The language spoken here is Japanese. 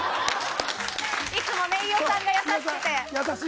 いつも飯尾さんが優しくて。